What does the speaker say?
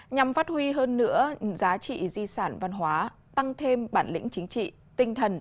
nhằm phát huy hơn nữa giá trị di sản văn hóa tăng thêm bản lĩnh chính trị tinh thần